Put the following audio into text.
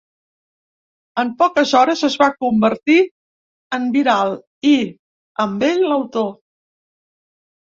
En poques hores es va convertir en viral i, amb ell, l’autor.